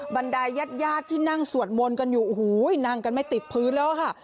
บันไดญาติยาดที่นั่งสวดมนตร์กันอยู่อู๋นั่งกันไม่ติดพื้นแล้วค่ะ